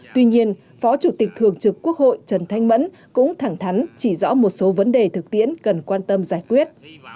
tuy nhiên phó chủ tịch thường trực quốc hội trần thanh mẫn cũng thẳng thắn chỉ rõ một số vấn đề thực tiễn cần quan tâm giải quyết